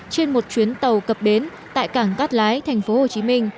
trên một chuyến tàu cập bến tại cảng cát lái tp hcm